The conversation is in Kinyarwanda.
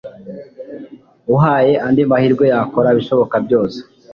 Uhaye andi mahirwe yakora ibishoboka byose